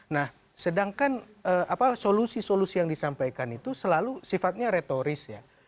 nah sedangkan solusi solusi yang disampaikan itu selalu sifatnya retoris ya